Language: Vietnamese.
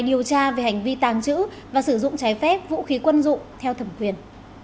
điều tra về hành vi tàng trữ và sử dụng trái phép vũ khí quân dụng theo thẩm quyền